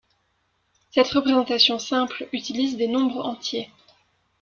Cette représentation simple utilise des nombres entiers.